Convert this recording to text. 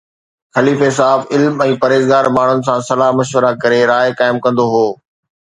خليفي صاحب علم ۽ پرهيزگار ماڻهن سان صلاح مشورا ڪري راءِ قائم ڪندو هو